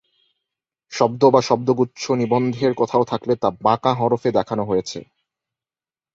শব্দ বা শব্দগুচ্ছ নিবন্ধের কোথাও থাকলে তা "বাঁকা হরফে" দেখানো হয়েছে।